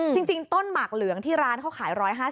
จริงต้นหมากเหลืองที่ร้านเขาขาย๑๕๐